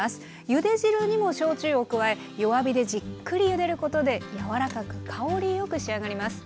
ゆで汁にも焼酎を加え弱火でじっくりゆでることで柔らかく香りよく仕上がります。